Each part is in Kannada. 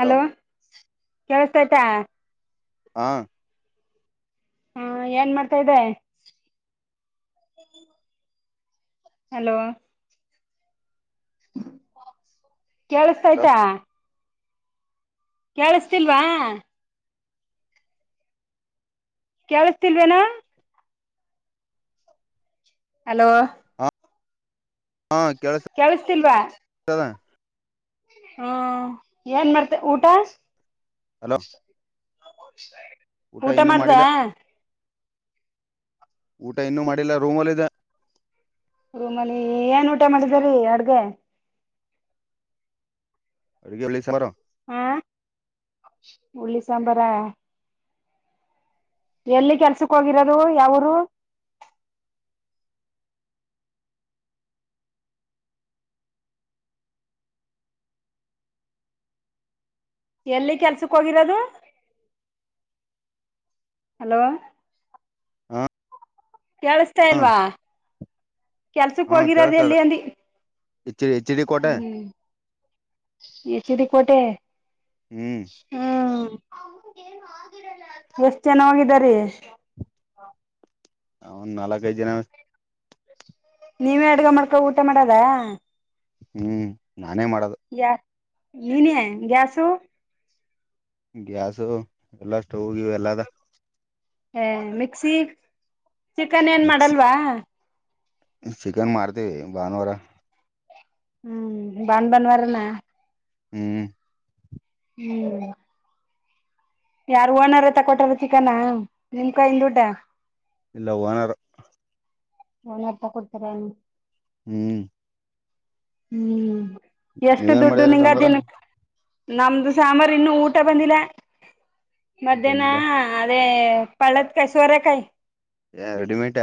ಹಲೋ ಕೇಳಸ್ತ ಆಯ್ತಾ ಹಾಂ ಹಾ ಏನ್ ಮಾಡ್ತಾದೆ ಹಲೋ ಹಲೋ ಕೇಳಿಸತಾಯಯ್ತಾ ಕೇಳಸ್ತಿಲ್ವಾ ಕೇಳಿಸತಿಲ್ವೇನಾ ಹಲೋ ಹಾಂ ಕೇಳಸ್ತಿಲ್ವಾ ಕೆಳಸದ ಹ್ಮ ಏನ್ ಮಾಡ್ತೆ ಊಟ ಹಲೋ ಊಟ ಇನ್ನೂ ಮಾಡ್ದ ಮಾಡಿಲ್ಲ ಊಟ ಇನ್ನೂ ಮಾಡಿಲ್ಲ ರೂಮಲ್ಲಿ ಇ ರೂಮಲ್ಲಿ ಏನ್ ಊಟ ಮಾಡಿದ ರೀ ಅಡ್ಗೆ ಹಗಿ ಒಅವರ ಹಾ ಉರುಳ್ಳಿ ಸಾಂಬಾರಾ ಎಲ್ಲಿ ಕೆಲ್ಸಕ್ ಹೋಗಿರೋದು ಯಾವರು ಎಲ್ಲಿ ಕೆಲ್ಸಕ್ ಹೋಗಿರೋದು ಹಲೋ ಹಾ ಕೇಳಸ್ತಾ ಇಲ್ವಾ ಕೆಲ್ಸಕ್ ಹಾ ಹೋಗಿರದ ಕೇಳತದ ಎಲ್ಲಿ ಒಂದು ಎಚ್ ಎಚ್ ಡಿ ಕೋಟೆ ಹ್ಮ ಎಚ್ಚಿರಿ ಕೋಟೆ ಹ್ಮ್ ಹ್ಮ್ ಎಷ್ಟ ಚೆನಾಗಿದಾರ ಅವ್ ನಾಲ್ಕೈಐದು ಜನ ನೀವೇ ಅಡ್ಗ ಮಾಡ್ಕೋ ಊಟ ಮಾಡದಾ ಹ್ಮ್ ನಾನೇ ಮಾಡದು ಗ ನೀನ್ಯ ಗ್ಯಾಸು ಗ್ಯಾಾಸು ಎಲ್ಲಾ ಸ್ಟೌವ್ ಇ ಎಲ್ಲದ ಹ ಮಿಕ್ಸಿ ಚಿಕನ್ ಏನ್ ಮಿಕ್ಸಿ ಮಾಡಲ್ವಾ ಚಿಕನ್ ಮ್ತೀವಿ ಭಾನುವಾರ ಹ್ಮ್ ಬಾನ ಬನ್ ವಾರನ ಹ್ಮ್ ಹ್ಮ್ ಯಾರು ಓನರ್ತ್ತ ಕೊಟಾರ ಚಿಕಾನ ನಿಮ್ ಕಾಯಿಂದ ದುಡ್ಡಾ ಇಲ್ಲ ಓನರ್ ನ ತ ಕೊಡ್ತಾರ ಹ್ಮ್ ಹ್ಮ್ ಎಷ್ಟು ನೀವೇನ್ ದುಡ್ಡು ಮಾಡಿದ್ರ ನಿಂಗ ಸಾಂಬಾರ ಅದಿನ ನಮ್ದು ಸಾಮಾರು ಇನ್ನು ಊಟ ಬಂದಿಲ್ಲ ಮಧ್ಯಾಹ್ನ ಬಂದಿಲ್ಲ ಅದೇ ಪಳತ್ ಕಾಯ ಸವರ ಕಾಯ ರೆಡಿಮೇಟ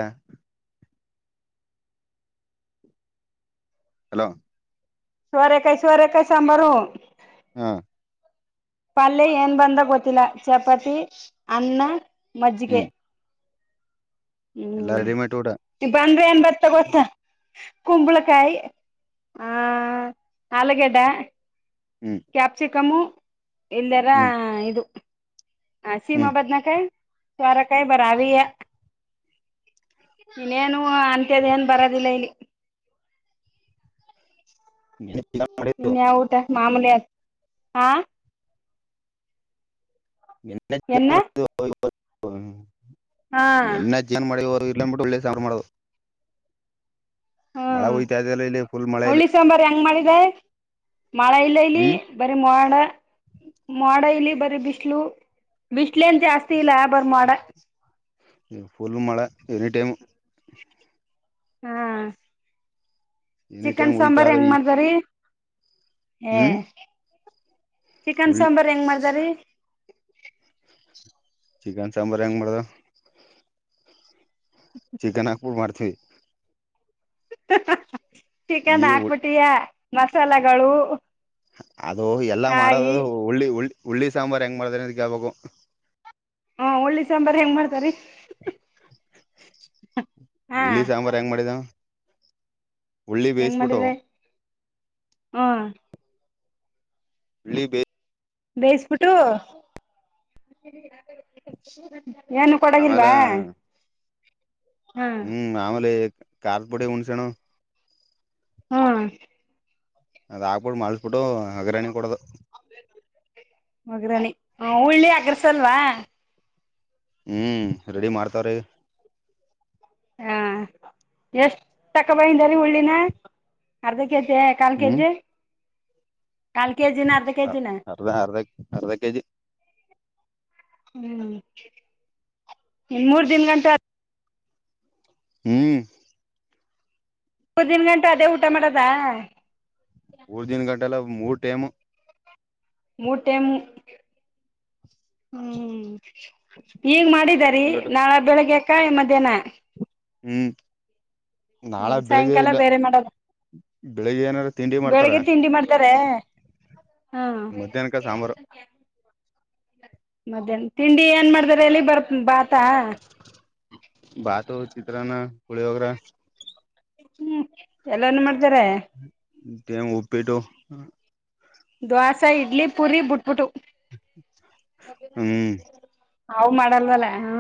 ಹಲೋ ಸವರೆ ಕಾಯಿ ಸವರೆ ಕಾಯ ಸಾಂಬಾರು ಹ್ಮ ಪಲ್ಯ ಏನ್ ಬಂದ ಗೊತ್ತಿಲ್ಲ ಚಪಾತಿ ಅನ್ನ ಮಜ್ಜಿಗೆ. ಹ್ಮ್ ಎಲ್ಲಾ ರೆಡಿಮೇಡ್ ಊಟ ನೀ ಬಂದ್ರೆ ಏನ್ ಬತ್ತ ಗೊತ್ತ ಹ್ಮ್ ಕುಂಬಳಕಾಯಿ ಹ ಆಲೂಗಡ್ಡ ಹ್ಮ್ ಕ್ಯಾಪ್ಸಿಕಮು ಇಲ್ಲರ ಹ್ಮ್ ಇದು ಹಾ ಸೀಮಾ ಹ್ಮ್ ಬಾದ್ನ ಕಾಯ ಸೋರೆ ಕಾಯ ಬರಾವ ಇನ್ನೇನು ಅಂತ್ಯದ ಏನ್ ಬರೋದಿಲ್ಲ ಇಲ್ಲಿ. [inaudible] ಇನ್ಯ ಊಟ ಮಾಮೂಲಿ ಹಾ [unintelligible] ಎನ್ನ ಹಾ ಏನ್ ಮಾಡ ಇಲ್ಲ ಬಿ ಒಳ್ಳೆ ಮಾಡುದು [unintelligible] ಮಳೆ ಹ್ಮ ಹೋಯ್ತಾ ಇದೆಲ್ಲ ಇಲ್ಲಿ ಫುಲ್ ಮಳೆ ಇಲ್ಲಿ ಹುಳ್ಳಿ ಸಾಂಬಾರ್ ಹೆಂಗ್ ಮಾಡಿದೆ ಮಳೆ ಇಲ್ಲ ಇಲ್ಲಿ. ಹ್ಮ್ ಬರಿ ಮೋಡ ಮಾಡ ಇಲ್ಲಿ ಬರೀ ಬಿಸಲು ಬಿಸಲು ಏನ್ ಜಾಸ್ತಿ ಇಲ್ಲ ಬರ ಮಾಡ. ಫುಲ್ ಮಳೆ ಎನಿ ಟೈಮ್. ಹಾ ಎನಿ ಟೈಮ್ ಚಿಕನ್ ಹೋಯ್ತಾ ಸಾಂಬಾರ್ ಅದ ಹೆಂಗ್ ಈ ಮಾಡ್ದರಿ ಹೇ ಹ್ಮ್ ಚಿಕನ್ ಉಳ್ಳಿ ಸಾಂಬಾರು ಹೆಂಗ್ ಮಾಡ್ದ ರೀ ಚಿಕನ್ ಸಾಂಬಾರ್ ಹೆಂಗ್ ಮಾಡ್ದ ಚಿಕನಾಗಪುಟ್ಟು ಮಾಡ್ತೀವಿ ಚಿಕನ್ ಈ ಹಾಕ್ಬಿಟ್ಟಿಯ ಮಸಾಲೆಗಳು. ಅದು ಎಲ್ಲಾ ಮಾಡೋದು ಹುಳ್ಳಿ ಉ ಹುಳ್ಳಿ ಸಾಂಬಾರ್ ಹೆಂಗ್ ಮಾಡ್ದ್ರ ಅಂತ ಕೇಳ್ಬೇಕು. ಹಾ ಒಳ್ಳಿ ಸಾಂಬಾರ್ ಹೆಂಗ ಮಾಡ್ತಾರಿ. ಹಾ ಹುಳ್ಳಿ ಸಾಂಬಾರ್ ಹೆಂಗ್ ಮಾಡಿದ ಉಳ್ಳಿ ಹೆಂಗ ಬೇಯಿಸಬಿಟ್ಟು ಮಾಡಿದೆ ಹ್ಮ [unintelligible] ಬೇಯಿಸಬಿಟ್ಟು ಏನು ಆಮೇಲೆ ಕೊಡಗಿಲ್ವಾ ಹ್ಮ್ ಆಮೇಲೆ ಖಾರದ ಪುಡಿ ಹುಣಸೆಹಣ್ಣು ಹಾ ಅದ್ಕ್ಬಿಟ್ಟು ಮಾಲಾಸ್ಬಿಟ್ಟು ಹಗಾರಾಣಿ ಕೊಡದು. ವಾಗರನಿ ಹ ಉಳ್ಳಿ ಅಗ್ರಸಲ್ವಾ. ಹ್ಮ್ ರೆಡಿ ಮಾಡ್ತವ್ರೀ ಹಾ ಎಷ್ಟ ತಕ್ಕ ಬೈಂದ ರೀ ಉಳ್ಳಿನ ಅರ್ಧ ಕೆ ಜಿ ಕಾಲ್ ಹ್ಮ್ ಕೆಜಿ ಕಾಲ್ ಕೆಜಿನ ಅರ್ಧ ಕೆಜಿನ. ಅರ್ಧ ಅರ್ಧ ಅರ್ಧ ಕೆಜಿ ಹ್ಮ್ ಮೂರ್ ದಿನ್ ಗಂಟ ಹ್ಮ್ ಮೂರ್ ದಿನ ಗಂಟೆ ಅದೇ ಊಟ ಮಾಡೋದಾ. ಮೂರ್ ದಿನ ಗಂಟೆಲ್ಲ ಮೂರ್ ಟೈಮ್. ಮೂಟೆಮ ಹ್ಮ್ ಈಗ ಮಾಡಿದಾರಿ ಗಂಟು ನಾಳ ಬೆಳಗ್ಗೆಕಾಯಿ ಮಧ್ಯಾಹ್ನ ಹ್ಮ್ ನಾಳ ಹ್ಮ್ ಬೆಳಿಗ್ಗೆ ಸಾಯಂಕಾಲ ಇಲ್ಲ ಬೇರೆ ಮಾಡದು ಬೆಳಿಗ್ಗೆ ಏನಾರ ತಿಂಡಿ ಮಾಡ್ತಾರ ಬೆಳಿಗ್ಗೆ ತಿಂಡಿ ಮಾಡ್ತಾರೆ. ಹಾ ಮಧ್ಯಾಹ್ನಕ ಸಾಂಬಾರು ಮಧ್ಯಾಹ್ನ ತಿಂಡಿ ಏನ್ ಮಾಡ್ರ ಎಲ್ಲಿ ಬರ್ ಬಾತಾ. ಬಾತು ಚಿತ್ರನ ಪುಲಿಯೋಗರೆ ಹ್ಮ್ ಎಲ್ಲನ ಮಾಡ್ತಾರೆ ತೆ ಉಪ್ಪಿಟ್ಟು ದೋಸೆ ಇಡ್ಲಿ ಪೂರಿ ಬಿುಟ್ಬಿಟ್ಟು ಹ್ಮ್ ಹಾವು ಮಾಡಲ್ವಲ್ಲ ಹಾ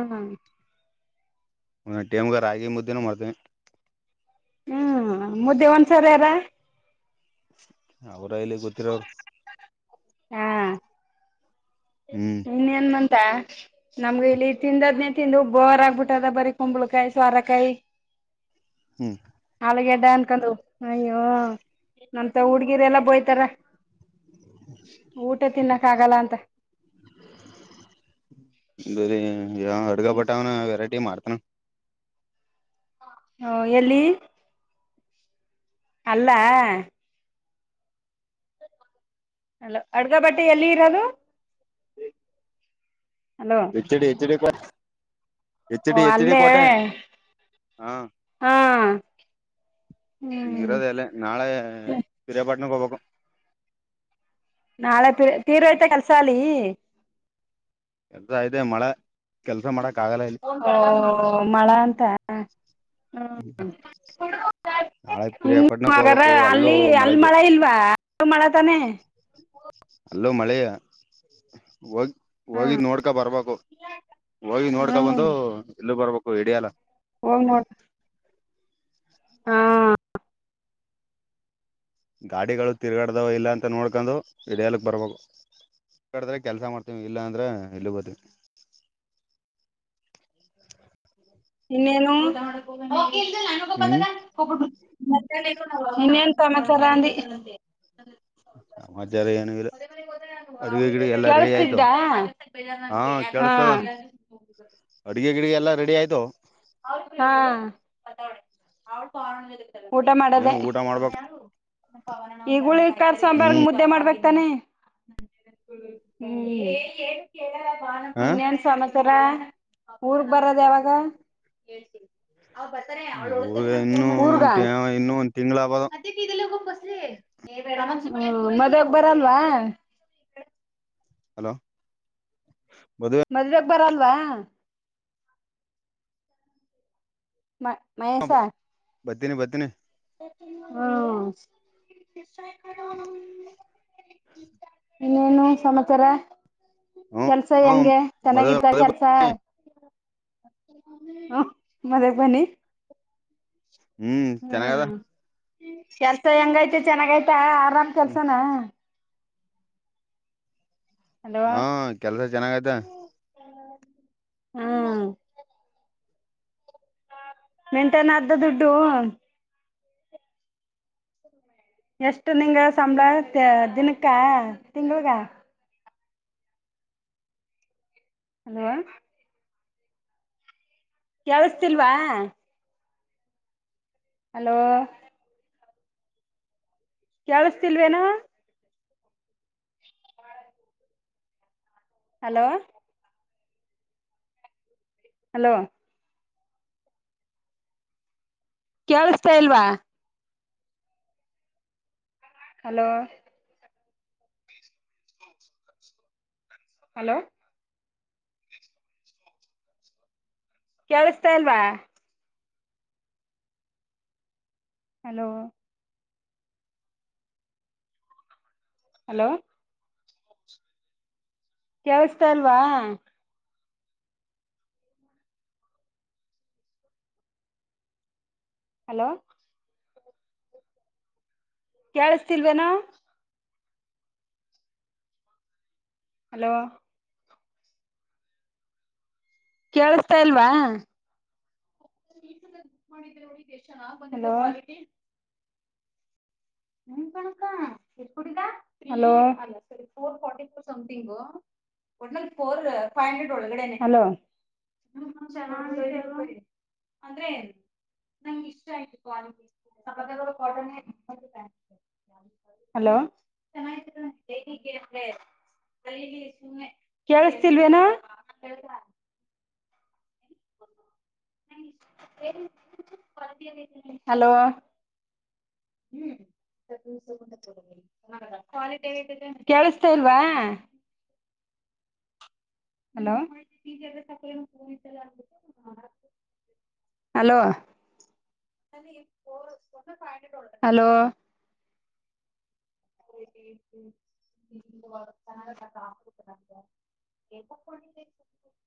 ಒಂದ ಟಮ್ಗರ್ ಆಾಗಿಿ ಮುದ್ದಿನ ಮಾಡ್ತೇವಿ ಹ್ಞೂ ಮುದ್ದೆ ಒಂದಸರಿ ಯಾರಾ ಅವ್ರ ಎಲ್ಲಿ ಗೊತ್ತಿರ ಅವ್ರು ಹಾ ಹ್ಮ್ ಇನ್ ಏನ್ ಮಂತ ನಮ್ಗ ಇಲ್ಲಿ ತಿಂದದ್ನೇ ತಿಂದು ಬೋರ್ ಆಗ್ಬಿಟ್ಟದ ಬರೀ ಕುಂಬಳಕಾಯಿ ಸವಾರಕಾಯಿ ಹ್ಮ್ ಹಾಲಗೆಡ್ಡ ಅನ್ಕೊಂಡ್ ಅಯ್ಯೋ ನಮಂತ ಹುಡ್ಗಿರೆ ಎಲ್ಲ ಬೋಯ್ತಾರ ಊಟ ತಿನ್ನಕ್ಕ ಆಗಲ್ಲ ಅಂತ ಅರಿ ಯ ಅಡ್ಗ ಬಟಾವ್ನ ವೆರೈಟಿ ಮಾಡ್ತಾನ ಹಾ ಎಲ್ಲಿ ಅಲ್ಲ ಹಲೋ ಅಡ್ಗ ಬಟ್ಟೆ ಎಲ್ಲಿ ಇರೋದು ಹಲೋ ಹೆಡಿ HD Kote H O D H D ಅಲ್ಲೇ ಕೋಟೆ ಹಾ ಹಾ ಹ್ಮ್ ಈಗಿರೋದ ಅಲ್ಲ ನಾಳೆ ಪ್ರರಯಾಪಾಟ್ಣಕ್ಕೆ ಹೋಗ್ಬೇಕು ನಾಳೆ ತೀರ್ ಐತೆ ಕೆಲ್ಸ ಅಲ್ಲಿೀ ಎ ಇದೆ ಮಳೆ ಕೆಲ್ಸ ಮಾಡಕ್ ಆಗಲ್ಲ ಇಲ್ಲಿ ಮಳ ಅಂತ ನಾಳೆ ಪಿರಿಯಾಪಟ್ಟಣಕ್ ಹ್ಮಗ ಹೋಗ್ಬೇಕು ಅಲ್ಲೂ ಅಲ್ಲಿ ಅಲ್ಲಿ ಮಳೆಗೆ ಮಳೆ ಇಲ್ ಬ ಮಾಡಾ ತಾನ ಅಲ್ಲೋ ಮಳೆ ಹೋಗ ಹೋಗಿ ಹ್ಮ್ ನೋಡ್ಕ ಬರ್ಬೇಕು ಹೋಗಿ ನೋಡ್ಕ ಬಂದು ಹ್ಮ್ ಇಲ್ಲ ಬರ್ಬೇಕು ಇಡಿಯಾಲ ಹೋಗ್ ನೋ ಹ್ಮ ಗಾಡಿಗಳು ತಿರ್ಗಡ್ದಾವ ಇಲ್ಲ ಅಂತ ನೋಡ್ಕೊಂಡು ಹಡಿಯಾಲಕ್ ಬರ್ಬೇಕು ಕಡಿದ್ರೆ ಕೆಲಸ ಮಾಡ್ತೀವಿ ಇಲ್ಲ ಅಂದ್ರೆ ಇಲ್ಲಿಗ್ ಬರ್ತೀವಿ ಇನ್ನೇನು ಹ್ಮ್ ಇನ್ನೇನು ಸಮಮಸರ ಅೀ ಸಮಾಚಾರ ಏನು ಇಿಲ್ಲ ಕೇಳತಿದ್ದ ಹಾ ಹ ಅಡುಗೆ ಗಿಡಿಗೆ ಎಲ್ಲ ರೆಡಿ ಆಯ್ತು ಹಾ ಊಟ ಏನು ಮಾಡದೆ ಊಟ ಮಾಡ್ಬೇಕು ಈಗುಳಿ ಕಾರ್ ಸಾಂಬಾರ್ ಹ್ಮ್ ಮುದ ಮಾಡ್ಬೇಕ ತಾನೆ ಕೇಳ ಬ ಹ ವಿನ್ಯನ್ ಸಮಚಾರ ಊರ್ ಬರದ ಯಾವಾಗ ಅವ್ ಬರ್ತಾರೆ ಅವ್ಳ ಊಗ ಫೋನ್ ಇನ್ನು ಮಾಡರ್ಗ ಇನ್ನು ಒಂದ್ ತಿಂಗ್ಳ ಆಬದು ಬಲಿ ಬ ಮದಗ ಬರಲ್ವಾ ಹಲೋ ಬದ ಮದ್ುವೆಗೆ ಬರಲ್ವಾ ಮ ಮಯಸ ಬದಿನ ಬದೆನೆ ಹಾ ಇನ್ನೇನು ಸಮಾಚಾರ ಹ್ಮ ಕೆಲ್ಸ ಹ ಹೆಂಗೆ ಚೆನ್ನಾಗಿದ್ದ ಮದುವೆ ಕೆಲ್ಸ ಸ ಮದ ಬನ್ನಿ [unintelligible] ಹ್ಮ್ ಚೆನ್ನಾಗದ ಹ್ಮ್ ಕೆಲ್ಸ ಹೆಂಗೈತ ಚೆನ್ನಾಗಐ್ತಾ ಆರಾಮ್ ಹ್ಮ್ ಕೆಲ್ಸನ [unintelligible] ಅಲ್ವ ಹಾ ಕೆಲ್ಸ ಚೆನ್ನಾಗ ಆಯತ [unintelligible] ಹ್ಮ್ [unintelligible] ಮೆಂಟನ ಅದ್ದ ದುಡ್ಡು [unintelligible] ಎಷ್ಟು ನಿಂಗ ಸಂಬಳ ದಿನಕ್ಕ ತಿಂಗಳಗ [unintelligible] ಅಲೋ [unintelligible] ಕೇಳಿಸತಿಲ್ವಾ [unintelligible] ಹಲೋ [unintelligible] ಕೇಳಿಸ್ತಿಲ್ವೇನಾ [unintelligible] ಹಲೋ [unintelligible] ಹಲೋ [unintelligible] ಕೇಳಿಸತಾ ಇಲ್ವಾ [unintelligible] ಹಲೋ [unintelligible] ಹಲೋ [unintelligible] ಕೇಳ್ತಾ ಇಲ್ವಾ [unintelligible] ಹಲೋ [unintelligible] ಹಲೋ [unintelligible] ಕೆೇಳಸ್ತ ಇಲ್ವಾ ಹಲೋ [unintelligible] ಕೇಳಿಸ್ತಿಲ್ವೇನ [unintelligible] ಹಲೋ [unintelligible] ಕೇಳಿಸತಾ ಇಲ್ವಾ [unintelligible] ಮಾಡಿದ ಎಷ್ಟ ಚನ್ನ ಬಂದಿಲ್ಲ [unintelligible] ಹಣಕ ಕು [unintelligible] ಫೋರ್ ಫಿ ಫೋರ್ಂಗ್ ಟೋಟ ಫೋರ್ ಫೈ ಹಂಡ್ರೆಡ್ ಒಳಗಡೆಲ [unintelligible] [unintelligible] ಅಂದ್ರೆ ನಂಗೆ ಇಷ್ಟ ಆಯ್ತು ಕ್ವಾಲಿಟಿ ಕಾಟನ್ [unintelligible] ಹಲೋ [unintelligible] ಕೇಳಿಸತಿಲ್ವೇನ [unintelligible] [unintelligible] ಹಲೋ [unintelligible] ಮ ಕೇಳಿಸತಾ ಇಲ್ವಾ [unintelligible] ಹಲೋ [unintelligible] ಹಲೋ [unintelligible] ಹಲೋ [unintelligible] [unintelligible] ಎ ಕೊಡಿ [unintelligible]